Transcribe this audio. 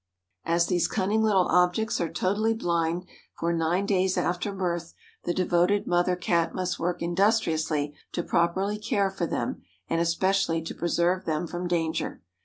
As these cunning little objects are totally blind for nine days after birth, the devoted mother Cat must work industriously to properly care for them and especially to preserve them from danger.